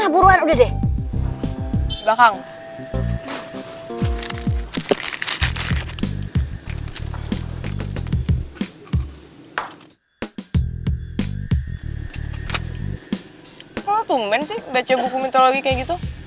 bukan buku mitologi kayak gitu